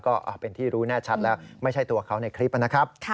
ก็เป็นที่รู้แน่ชัดแล้วไม่ใช่ตัวเขาในคลิปนะครับ